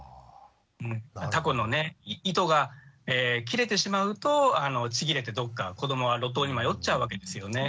たこの糸が切れてしまうとちぎれてどっか子どもは路頭に迷っちゃうわけですよね。